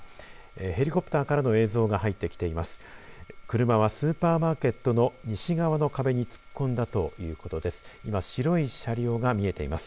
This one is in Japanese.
ヘリコプターからの映像が入ってきています。